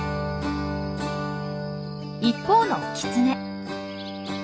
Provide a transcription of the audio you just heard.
一方のキツネ。